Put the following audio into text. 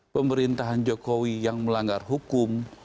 pemerintahan jokowi yang melanggar hukum